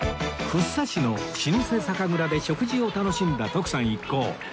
福生市の老舗酒蔵で食事を楽しんだ徳さん一行